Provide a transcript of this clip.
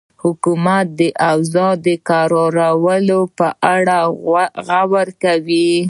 حکومت د اوضاع د کرارولو په اړه غور کوي.